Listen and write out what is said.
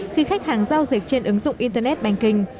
khi khách hàng giao dịch trên ứng dụng internet banking